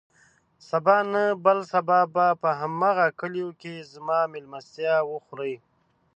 سبا نه، بل سبا به په هماغه کليو کې زما مېلمستيا وخورې.